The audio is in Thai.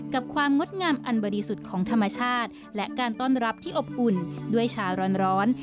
กับความงดงามอันบริสุทธิ์ของธรรมชาติและการต้อนรับที่อบอุ่นด้วยชาร้อน